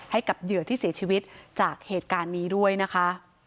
เหยื่อที่เสียชีวิตจากเหตุการณ์นี้ด้วยนะคะ